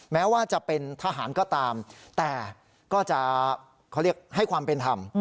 แม้ว่าจะเป็นทหารก็ตามแต่ก็จะเขาเรียกให้ความเป็นธรรม